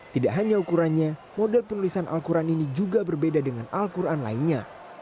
tidak hanya ukurannya model penulisan al quran ini juga berbeda dengan al quran lainnya